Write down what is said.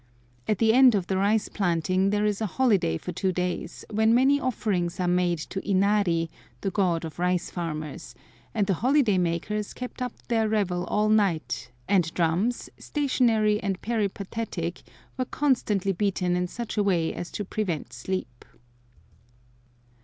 At the end of the rice planting there is a holiday for two days, when many offerings are made to Inari, the god of rice farmers; and the holiday makers kept up their revel all night, and drums, stationary and peripatetic, were constantly beaten in such a way as to prevent sleep.